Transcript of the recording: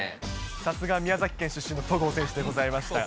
さすが宮崎県出身の戸郷選手でございました。